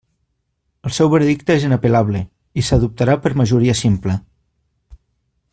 El seu veredicte és inapel·lable, i s'adoptarà per majoria simple.